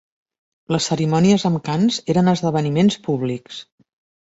Les cerimònies amb cants eren esdeveniments públics.